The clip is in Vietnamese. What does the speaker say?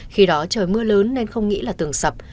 khi đó trời mưa lớn nên không nghĩ là tường sập